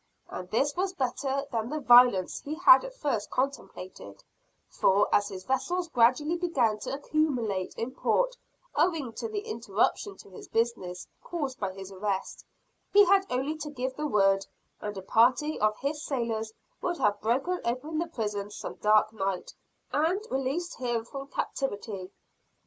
And this was better than the violence he had at first contemplated; for, as his vessels gradually began to accumulate in port, owing to the interruption to his business caused by his arrest, he had only to give the word, and a party of his sailors would have broken open the prison some dark night, and released him from captivity.